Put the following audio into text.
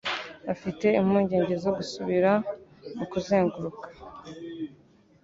Afite impungenge zo gusubira mu kuzenguruka.